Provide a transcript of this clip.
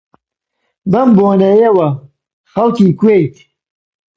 بەم بۆنەیەوە، خەڵکی کوێیت؟